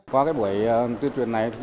qua cái buổi tuyên truyền này